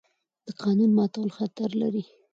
د قانون ماتول خطر لري